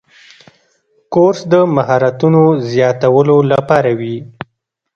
کورس د مهارتونو زیاتولو لپاره وي.